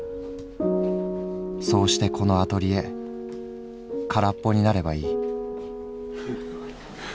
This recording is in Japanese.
そうしてこのアトリエ空っぽになればいい」。